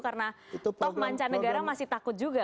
karena toh mancanegara masih takut juga